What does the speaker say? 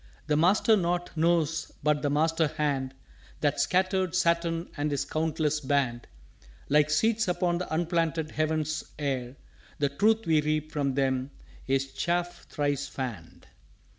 _" "The Master knot knows but the Master hand That scattered Saturn and his countless Band Like seeds upon the unplanted heaven's Air: The Truth we reap from them is Chaff thrice fanned."